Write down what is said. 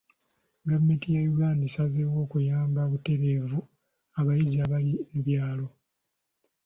Gavumenti ya Uganda esazeewo okuyamba butereevu abayizi abali mu byalo.